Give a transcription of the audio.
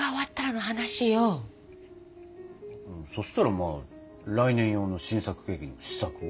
そしたらまあ来年用の新作ケーキの試作を。